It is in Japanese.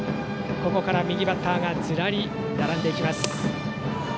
ここから右バッターが並んできます。